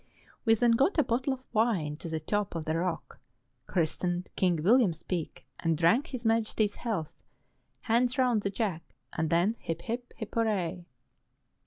We then got a bottle of wine to the top of the rock, christened King William's Peak, and drank his Majesty's health, hands round the Jack, and then Hip I hip ! hip ! hurrah